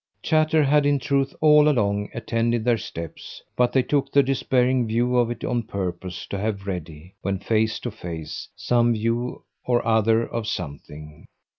Chatter had in truth all along attended their steps, but they took the despairing view of it on purpose to have ready, when face to face, some view or other of something.